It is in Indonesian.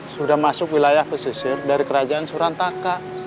sudah masuk wilayah pesisir dari kerajaan surantaka